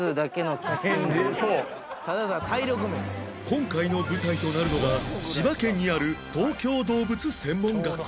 今回の舞台となるのが千葉県にある東京動物専門学校